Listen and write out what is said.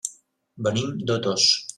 Venim d'Otos.